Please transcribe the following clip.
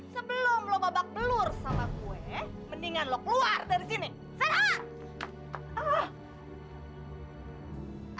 sebelum lo babak telur sama gue mendingan lo keluar dari sini serah